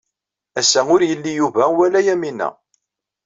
Ass-a ur yelli Yuba wala Yamina.